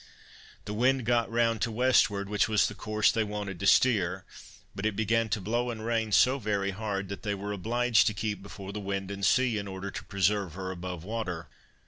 The wind got round to westward, which was the course they wanted to steer; but it began to blow and rain so very hard, that they were obliged to keep before the wind and sea, in order to preserve her above water.